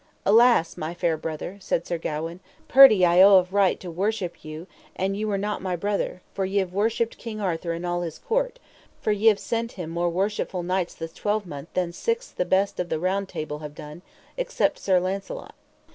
Alas, my fair brother, said Sir Gawaine, perdy I owe of right to worship you an ye were not my brother, for ye have worshipped King Arthur and all his court, for ye have sent me more worshipful knights this twelvemonth than six the best of the Round Table have done, except Sir Launcelot.